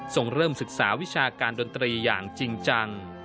ส่งเริ่มศึกษาวิชาการดนตรีอย่างจริงจัง